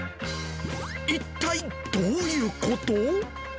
一体、どういうこと？